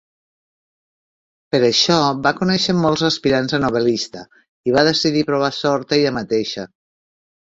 Per això, va conèixer molts aspirants a novel·lista i va decidir provar sort ella mateixa.